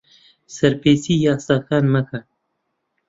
سەرپێچیی یاساکان مەکەن.